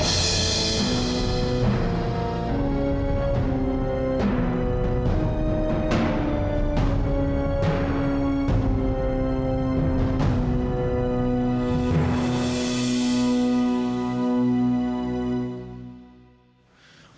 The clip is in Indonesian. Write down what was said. kaka kamu berombol